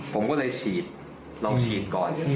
ผมก็เลยฉีดลองฉีดก่อน